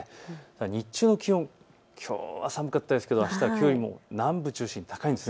日中の気温、きょうは寒かったですけどあしたはきょうよりも南部を中心に高いんです。